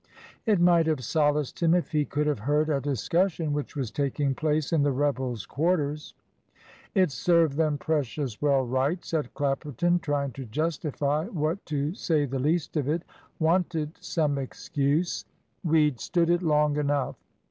It might have solaced him if he could have heard a discussion which was taking place in the rebels' quarters. "It served them precious well right," said Clapperton, trying to justify what, to say the least of it, wanted some excuse. "We'd stood it long enough."